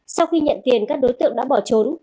sau khi nhận tiền các đối tượng đã bỏ trốn